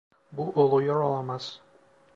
Bu oluyor olamaz!